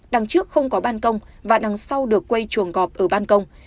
đằng trước không có ban công và đằng sau được quây chuồng gọp ở ban công